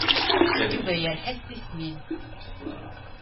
Yuba yerḥa s tismin.